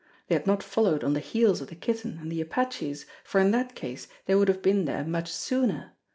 They had not followed on the heels of the Kitten and the apaches, for in that case they would have been there much sooner.